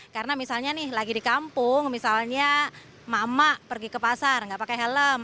karena misalnya nih lagi di kampung misalnya mama pergi ke pasar nggak pakai helm